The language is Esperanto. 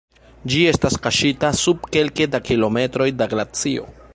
Ĝi estas kaŝita sub kelke da kilometroj da glacio.